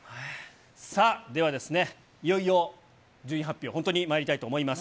さあ、ではですね、いよいよ順位発表、本当にまいりたいと思います。